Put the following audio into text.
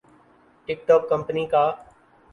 ٹک ٹوک کمپنی کا